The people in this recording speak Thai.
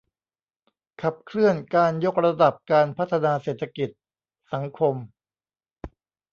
ขับเคลื่อนการยกระดับการพัฒนาเศรษฐกิจ สังคม